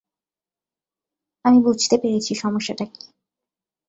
আমি বুঝতে পেরেছি সমস্যাটা কী।